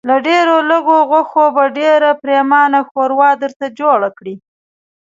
له ډېرو لږو غوښو به ډېره پرېمانه ښوروا درته جوړه کړي.